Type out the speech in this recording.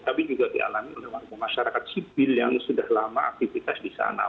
tapi juga dialami oleh warga masyarakat sipil yang sudah lama aktivitas di sana